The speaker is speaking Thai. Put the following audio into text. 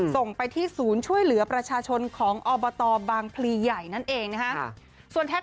ส่งไปที่ศูนย์ช่วยเหลือประชาชนของอบตบางพลีใหญ่นั่นเองนะฮะ